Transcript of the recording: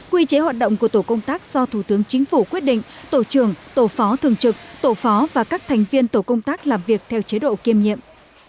quy chế hoạt động của tổ công tác do thủ tướng chính phủ quyết định tổ trưởng tổ phó thường trực tổ phó và các thành viên tổ công tác làm việc theo chế độ kiêm nhiệm